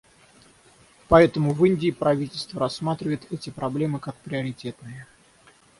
Поэтому в Индии правительство рассматривает эти проблемы как приоритетные.